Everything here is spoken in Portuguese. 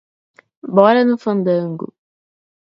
Bora no fandango